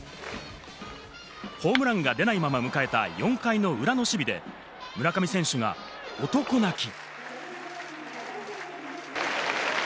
ホームランが出ないまま迎えた４回の裏の守備で村上選手が男泣き。